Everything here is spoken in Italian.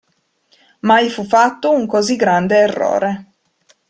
Mai fu fatto un così grande errore.